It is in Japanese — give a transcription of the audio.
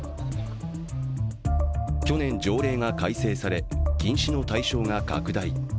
去年、条約が改正され禁止の対象が拡大。